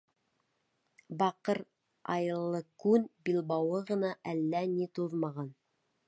Баҡыр айыллы күн билбауы ғына әллә ни туҙмаған.